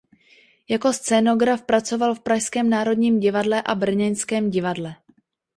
Jako scénograf pracoval v pražském Národním divadle a brněnském divadle.